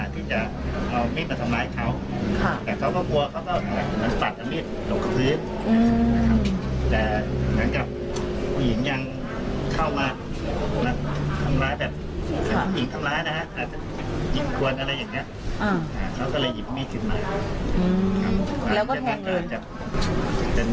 ตามนั้นก็ว่าถอยยังเข้ามาทำร้ายแบบหญิงทำร้ายนะคะหญิงกวนอะไรอย่างเงี้ย